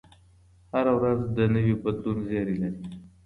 هره ورځ د نوي بدلون زېری لري